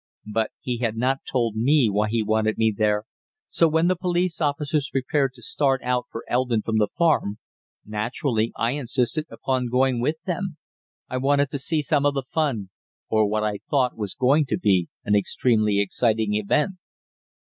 But he had not told me why he wanted me there, so when the police officers prepared to start out for Eldon from the farm, naturally I insisted upon going with them I wanted to see some of the fun, or what I thought was going to be an extremely exciting event."